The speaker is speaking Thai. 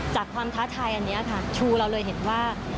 จากความท้าทายอันนี้ค่ะชูเราเลยเห็นว่า